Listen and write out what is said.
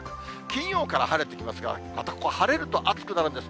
金曜から晴れてきますが、またここ、晴れると暑くなるんです。